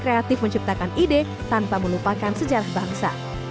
kreatif menciptakan ide tanpa melupakan sejarah bangsa